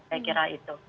saya kira itu